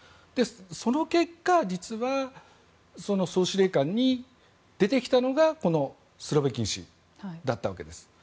その結果、実は総司令官に出てきたのがスロビキン氏だったわけです。